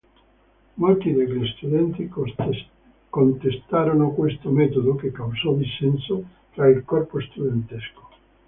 Molti degli studenti contestarono questo metodo, che causò dissenso tra il corpo studentesco.